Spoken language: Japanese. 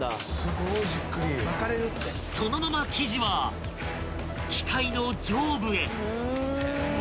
［そのまま生地は機械の上部へ］